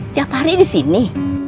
tiap hari disini